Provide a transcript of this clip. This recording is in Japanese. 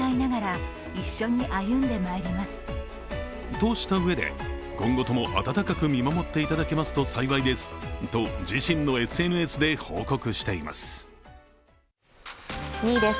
としたうえで、今後とも温かく見守っていただけますと幸いですと自身のＳＮＳで報告しています。